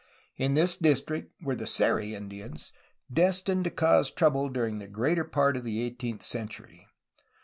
In this district were the Seri Indians, destined to cause trouble during the greater part of the eighteenth century.